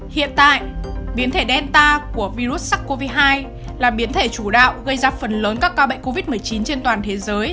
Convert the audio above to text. hiện tại biến thể delta của virus sars cov hai là biến thể chủ đạo gây ra phần lớn các ca bệnh covid một mươi chín trên toàn thế giới